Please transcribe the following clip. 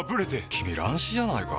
君乱視じゃないか？